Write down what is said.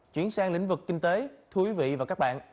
chuyển sang lĩnh vực kinh tế thú vị và các bạn